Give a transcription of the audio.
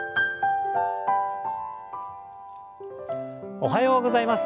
おはようございます。